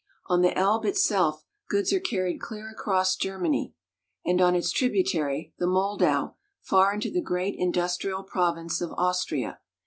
On the Elbe itself, goods are carried clear across Germany, and on its tributary, the Moldau, far into the great industrial province of Austria.